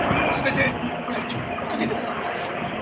全て会長のおかげでございます。